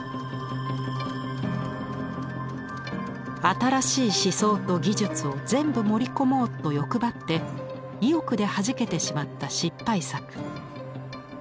「新しい思想と技術を全部盛り込もうと欲張って意欲ではじけてしまった失敗作」。